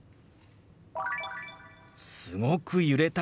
「すごく揺れたね」。